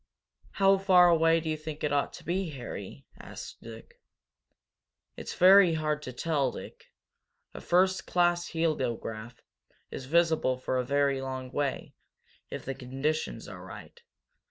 "How far away do you think it ought to be, Harry?" asked Dick. "It's very hard to tell, Dick. A first class heliograph is visible for a very long way, if the conditions are right.